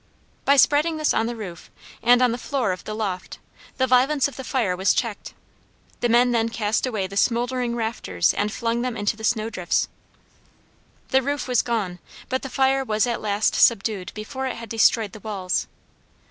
By spreading this on the roof, and on the floor of the loft, the violence of the fire was checked. The men then cast away the smoldering rafters and flung them in the snow drifts. The roof was gone, but the fire was at last subdued before it had destroyed the walls.